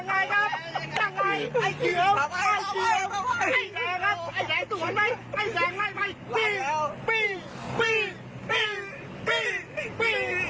อันนี้มันได้ยาก้าวไอ้แดงแล้ว